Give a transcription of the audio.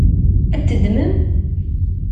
Ad t-teddmem?